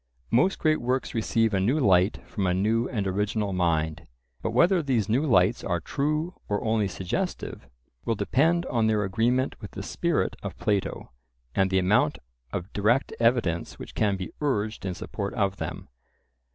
Most great works receive a new light from a new and original mind. But whether these new lights are true or only suggestive, will depend on their agreement with the spirit of Plato, and the amount of direct evidence which can be urged in support of them.